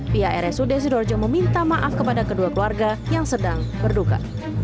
pihak rsud sidoarjo meminta maaf kepada kedua keluarga yang sedang berduka